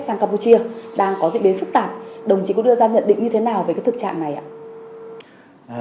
sang campuchia đang có diễn biến phức tạp đồng chí có đưa ra nhận định như thế nào về cái thực trạng này ạ